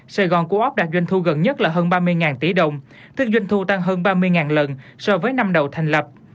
sài gòn của ốc đạt doanh thu gần nhất là hơn ba mươi tỷ đồng thức doanh thu tăng hơn ba mươi lần so với năm đầu thành lập